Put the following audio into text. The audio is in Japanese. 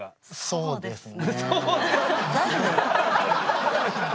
そうですね。